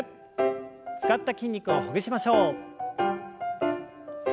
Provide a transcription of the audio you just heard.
使った筋肉をほぐしましょう。